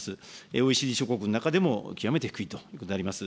ＯＥＣＤ諸国の中でも極めて低いといえます。